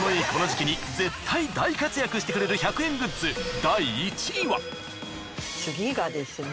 この時期に絶対大活躍してくれる１００円グッズ第１位は。